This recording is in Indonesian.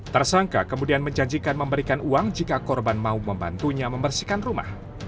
tersangka kemudian menjanjikan memberikan uang jika korban mau membantunya membersihkan rumah